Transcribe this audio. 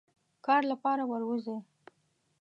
کار لپاره وروزی.